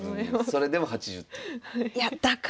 それでも８０点。